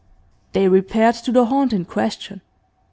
They repaired to the haunt in question.